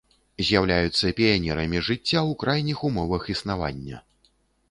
З'яўляюцца піянерамі жыцця ў крайніх умовах існавання.